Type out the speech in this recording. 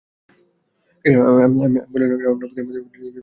আমি বলিলাম, আমরা ভূতের মতোই যতটা পারি গা-ঢাকা দিয়া থাকিব।